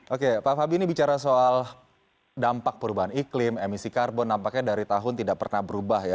oke pak fabi ini bicara soal dampak perubahan iklim emisi karbon nampaknya dari tahun tidak pernah berubah ya